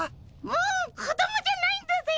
もう子供じゃないんだぜ。